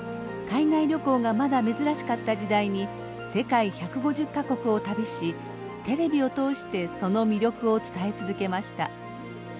海外旅行がまだ珍しかった時代に世界１５０か国を旅しテレビを通してその魅力を伝え続けました。